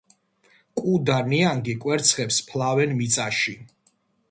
კუ და ნიანგი კვერცხებს ფლავენ მიწაში.